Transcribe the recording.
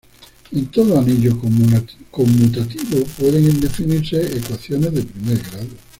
En todo anillo conmutativo pueden definirse ecuaciones de primer grado.